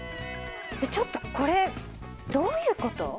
えっちょっとこれどういうこと？